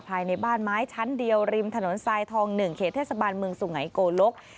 ภายในบ้านไม้ชั้นเดียวริมถนนทรายทอง๑เขตเทศบาลเมืองสุไงโกลก